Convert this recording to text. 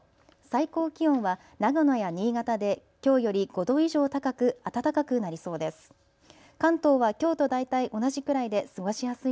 最高気温は長野や新潟できょうより５度以上高く暖かくなりそうです。